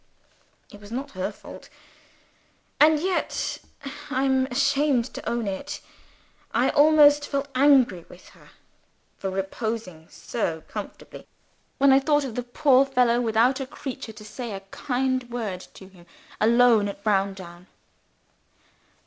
It was not her fault and yet (I am ashamed to own it) I almost felt angry with her for reposing so comfortably, when I thought of the poor fellow, without a creature to say a kind word to him, alone at Browndown.